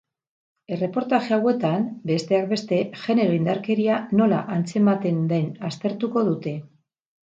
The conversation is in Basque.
Erreportaje hauetan, besteak beste, genero indarkeria nola antzematen den aztertuko dute.